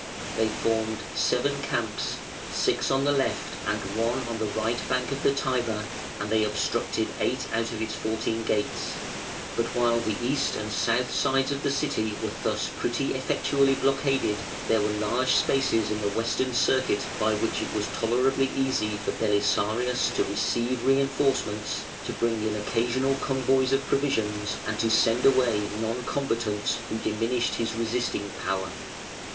They formed seven camps six on the left and one on the right bank of the Tiber, and they obstructed eight out of its four teen gates; but while the east and south sides of the City were thus pretty effectually blockaded, there were large spaces in the western circuit by which it was tolerably easy for Belisarius to receive reinforcements, to bring in occasional convoys of provisions, and to send away non combatants who diminished his resisting power.